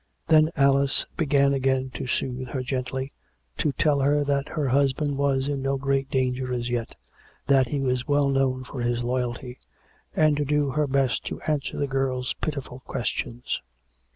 Then Alice began again to soothe her gently, to tell her that her husband was in no great danger as yet, that he was well known for his loyalty, and to do her best to answer the girl's pitiful questions.